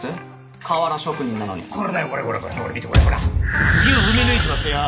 瓦職人なのにこれだよこれこれこれ見てこれほら釘を踏み抜いちまってよ